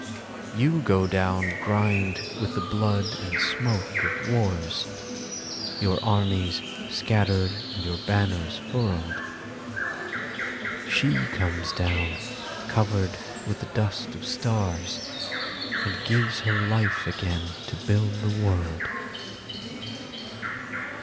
You go down grimed with the blood and smoke of wars; Your armies scattered and your banners furled; She comes down covered with the dust of stars, And gives her life again to build the world.